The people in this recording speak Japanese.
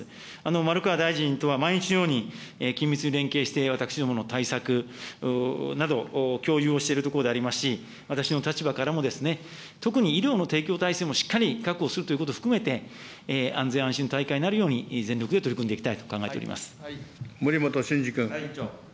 丸川大臣とは毎日のように、緊密に連携して、私どもの対策など、共有をしているところでありますし、私の立場からも、特に医療の提供体制もしっかり確保するということ含めて、安全安心な大会になるように、全力で取り組んでいきたいと考えておりま森本真治君。